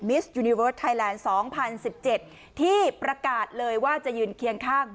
มิสยูนิเวิร์สไทยแลนด์สองพันสิบเจ็ดที่ประกาศเลยว่าจะยืนเคียงข้าง